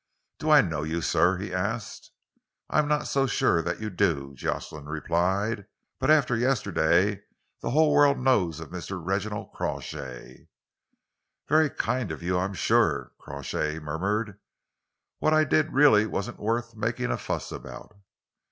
"Do I know you, sir?" he asked. "I am not so sure that you do," Jocelyn replied, "but after yesterday the whole world knows Mr. Reginald Crawshay." "Very kind of you, I am sure," Crawshay murmured. "What I did really wasn't worth making a fuss about."